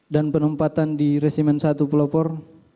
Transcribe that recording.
dan penempatan di resimen satu pelopor